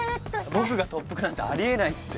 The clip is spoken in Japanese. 僕が特服なんてあり得ないって。